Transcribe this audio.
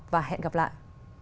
và hẹn gặp lại